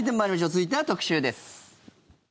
続いては特集です。